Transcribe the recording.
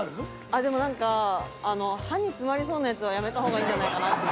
あっでもなんか歯に詰まりそうなやつはやめた方がいいんじゃないかなって。